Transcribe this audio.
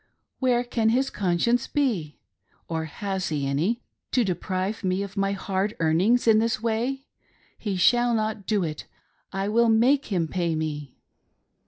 Where can his conscience be .' or has he any ; to deprive me of my hard earnings in this way. He shall not do it — I will make him pay me."